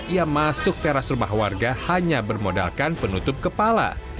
ia masuk teras rumah warga hanya bermodalkan penutup kepala